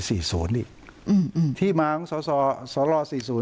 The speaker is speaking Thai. หรือที่มาอังสภาษณ์สรรค์ในปีสี่ศูนย์